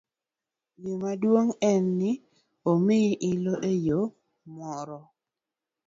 Gima duong' en ni omiyi ilo eyo moro.